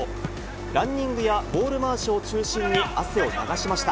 ランニングやボール回しを中心に汗を流しました。